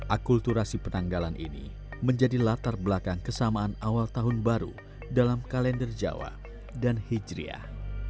akulturasi penanggalan ini menjadi latar belakang kesamaan awal tahun baru dalam kalender jawa dan hijriah